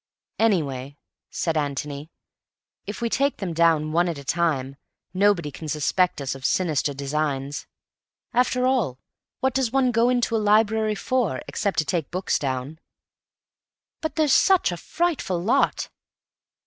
"Anyway," said Antony, "if we take them down one at a time, nobody can suspect us of sinister designs. After all, what does one go into a library for, except to take books down?" "But there's such a frightful lot."